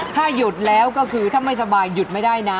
ถ้าหยุดแล้วก็คือถ้าไม่สบายหยุดไม่ได้นะ